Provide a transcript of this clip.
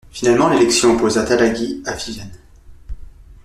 Finalement, l'élection opposa Talagi à Vivian.